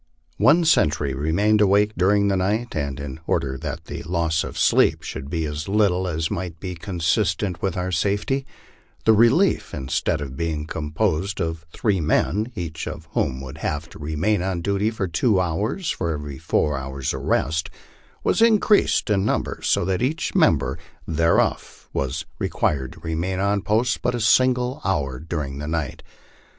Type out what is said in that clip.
One sentry remained awake during the night, and in order that the loss of sleep should be as little as might be consistent with our safety, the relief, instead of being composed of three men, each of whom would have to remain on duty two hours for every four hours of rest, was increased in number so that each member thereof was required to remain on post but a single hour during the night.